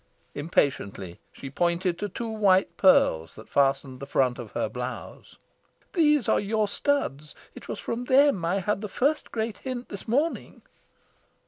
Impatiently she pointed to two white pearls that fastened the front of her blouse. "These are your studs. It was from them I had the great first hint this morning."